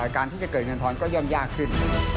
การที่จะเกิดเงินทอนก็ย่อมยากขึ้น